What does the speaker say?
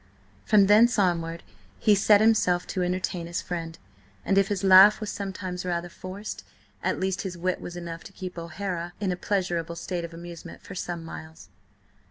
From thence onward he set himself to entertain his friend, and if his laugh was sometimes rather forced, at least his wit was enough to keep O'Hara in a pleasurable state of amusement for some miles.